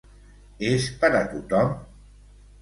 És per a tothom?